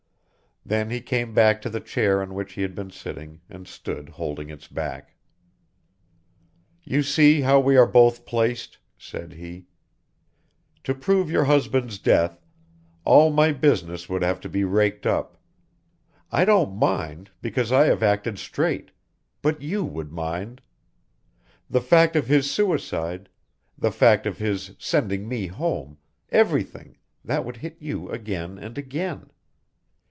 Then he came back to the chair on which he had been sitting and stood holding its back. "You see how we are both placed," said he. "To prove your husband's death, all my business would have to be raked up. I don't mind, because I have acted straight, but you would mind. The fact of his suicide, the fact of his sending me home everything, that would hit you again and again.